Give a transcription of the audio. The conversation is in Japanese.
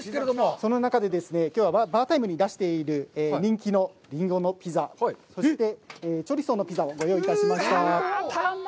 その中でですね、きょうはバータイムに出している人気のリンゴのピザ、そして、チョリソーのピザをご用意しました。